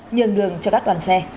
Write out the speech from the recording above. nhường đường cho các đoàn xe